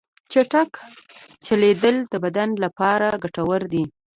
چټک چلیدل د بدن لپاره ګټور دي.